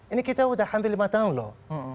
ini kita sudah hampir lima tahun loh